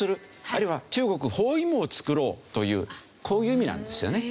あるいは中国包囲網を作ろうというこういう意味なんですよね。